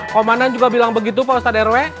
komandan juga bilang begitu pak ustadz rw